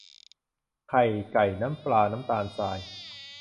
ไข่ไก่ น้ำปลา น้ำตาลทราย